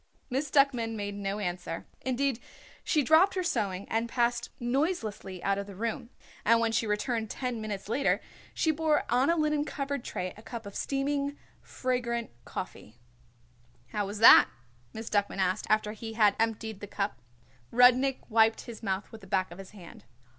Miss Duckman made no answer. Indeed she dropped her sewing and passed noiselessly out of the room, and when she returned ten minutes later she bore on a linen covered tray a cup of steaming, fragrant coffee. "How was that?" Miss Duckman asked after he had emptied the cup. Rudnik wiped his mouth with the back of his hand.